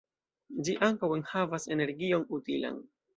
Ĝi ankaŭ enhavas energion utilan.